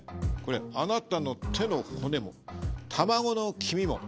「貴方の手の骨も卵の黄身も」。